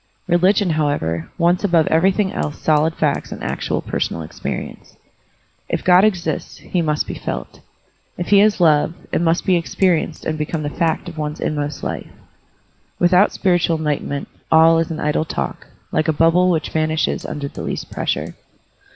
Religion, however, wants above everythii^ else solid facts and actual personal experience. If God exists, he Digitized by Google SPIRITUAL ENLIGHTENMENT 137 must be felt. If he is love, it must be experi enced and become the fact of one's inmost life. Without spiritual enlightenment, all is an idle talk, like a bubble which vanishes under the least pressure.